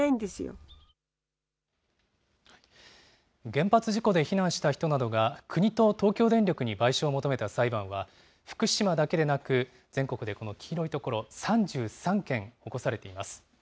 原発事故で避難した人などが、国と東京電力に賠償を求めた裁判は、福島だけでなく全国でこの黄色い所、３３件起こされています。